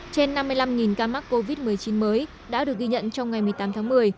trên năm mươi năm ca mắc covid một mươi chín mới đã được ghi nhận trong ngày một mươi tám tháng một mươi